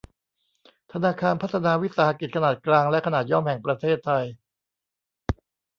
ธนาคารพัฒนาวิสาหกิจขนาดกลางและขนาดย่อมแห่งประเทศไทย